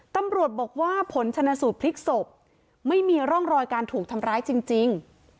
ตำรวจบอกว่าผลชนะสูตรพลิกศพไม่มีร่องรอยการถูกทำร้ายจริง